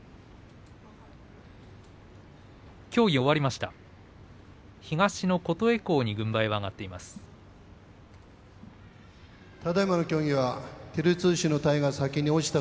協議が終わりました。